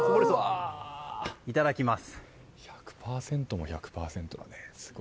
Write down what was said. いただきます。